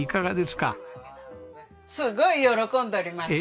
すごい喜んでおります。